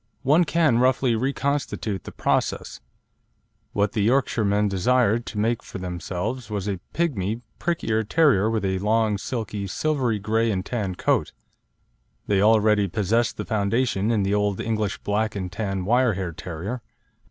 One can roughly reconstitute the process. What the Yorkshiremen desired to make for themselves was a pigmy, prick eared terrier with a long, silky, silvery grey and tan coat. They already possessed the foundation in the old English Black and Tan wire haired Terrier.